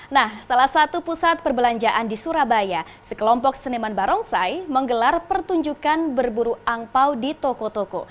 nah salah satu pusat perbelanjaan di surabaya sekelompok seniman barongsai menggelar pertunjukan berburu angpau di toko toko